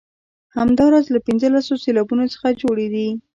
همداراز له پنځلسو سېلابونو څخه جوړې دي.